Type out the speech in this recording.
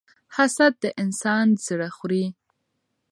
حسد د انسان زړه خوري.